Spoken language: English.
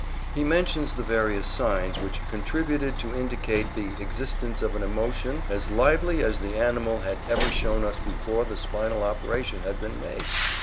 He mentions the various signs which "contributed to indicate the existence of an emotion as lively as the animal had ever shown us before the spinal operation had been made."